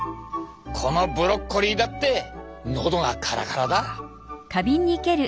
このブロッコリーだって喉がカラカラだ。